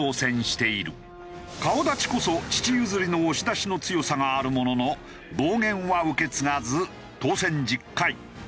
顔立ちこそ父譲りの押し出しの強さがあるものの暴言は受け継がず当選１０回。